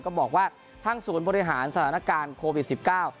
ก็บอกว่าทางศูนย์บริหารสถานการณ์โควิดสิบเก้า